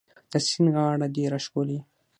د سیند غاړه ډيره ښکلې